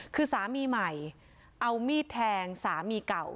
คือสามีใหม่เอามีดแทงสามีเก่า